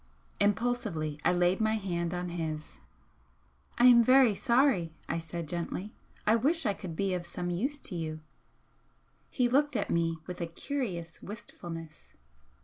Impulsively I laid my hand on his. "I am very sorry!" I said, gently "I wish I could be of some use to you!" He looked at me with a curious wistfulness.